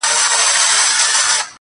ګنهكاره سوه سورنا، ږغ د ډولونو.!